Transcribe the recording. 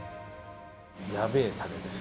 やべぇたれです。